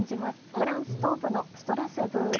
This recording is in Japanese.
フランス東部のストラスブール。